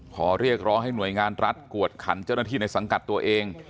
ขอเรียกร้องให้หน่วยงานรัฐกวดขันเจ้าหน้าที่ในสังกัดตัวเอง